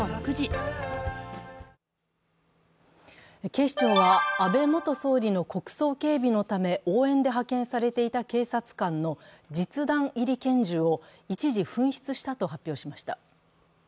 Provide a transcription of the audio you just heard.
警視庁は安倍元総理の国葬警備のため応援で派遣されていた警察官の実弾入り拳銃を一時紛失したと発表しました。